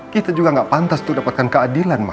kita juga gak pantas untuk dapatkan keadilan ma